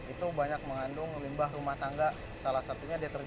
itu banyak mengandung limbah rumah tangga salah satunya deterjen